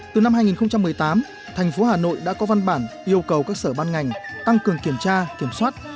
từ năm hai nghìn một mươi tám thành phố hà nội đã có văn bản yêu cầu các sở ban ngành tăng cường kiểm tra kiểm soát